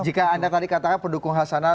jika anda tadi katakan pendukung hasanah